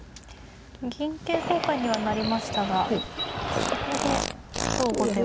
銀桂交換にはなりましたがここでどう後手は。